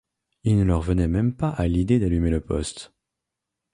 Il ne leur venait même pas à l’idée d’allumer le poste…